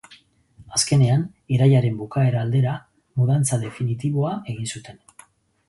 Azkenean, irailaren bukaera aldera, mudantza definitiboa egin zuten.